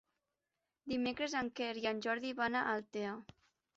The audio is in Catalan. Dimecres en Quer i en Jordi van a Altea.